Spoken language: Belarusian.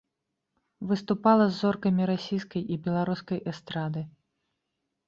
Выступала з зоркамі расійскай і беларускай эстрады.